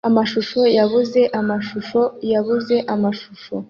amashusho yabuze amashusho yabuze amashusho